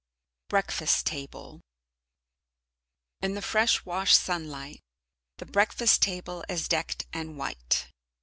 Breakfast Table In the fresh washed sunlight, the breakfast table is decked and white.